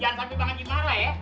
jangan pasti bang anji marah ya